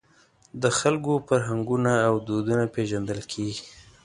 د خلکو فرهنګونه او دودونه پېژندل کېږي.